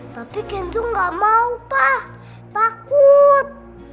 tapi kenzo enggak mau pak takut